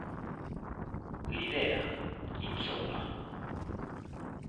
L'idea insomma.